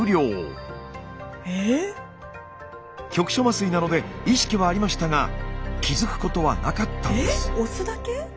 局所麻酔なので意識はありましたが気付くことはなかったんです。